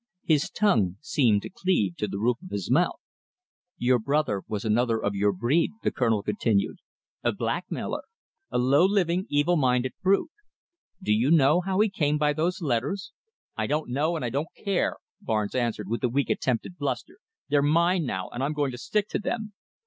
His tongue seemed to cleave to the roof of his mouth. "Your brother was another of your breed," the Colonel continued. "A blackmailer! A low living, evil minded brute. Do you know how he came by those letters?" "I don't know and I don't care," Barnes answered with a weak attempt at bluster. "They're mine now, and I'm going to stick to them."